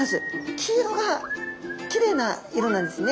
黄色がきれいな色なんですね。